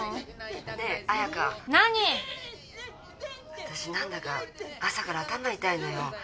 ☎わたし何だか朝から頭痛いのよ。